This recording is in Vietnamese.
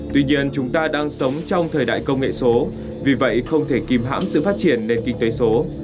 tuy nhiên chúng ta đang sống trong thời đại công nghệ số vì vậy không thể kìm hãm sự phát triển nền kinh tế số